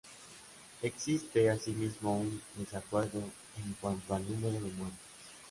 Existe asimismo un desacuerdo en cuanto al número de muertes.